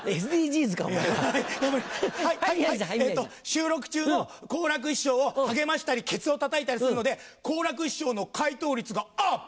収録中の好楽師匠を励ましたりケツをたたいたりするので好楽師匠の回答率がアップ！